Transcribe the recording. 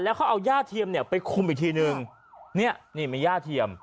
แล้วเขาเอาย่าเทียมไปคุมอีกทีนึงนี่นี่มันย่าเทียม